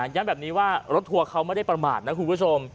ย้ำแบบนี้ว่ารถทัวร์เขาไม่ได้ประมาทนะคุณผู้ชม